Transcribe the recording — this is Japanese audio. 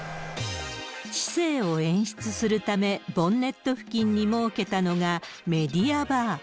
知性を演出するため、ボンネット付近に設けたのが、メディアバー。